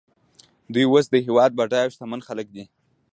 دوی اوس د هېواد بډایه او شتمن خلک دي